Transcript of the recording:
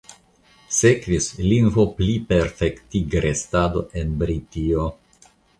Sekvis lingvopliperfektigrestado en Britio.